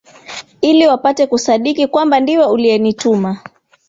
ili wapate kusadiki kwamba ndiwe uliyenituma